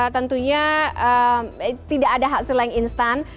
tentunya tidak ada hasil yang instan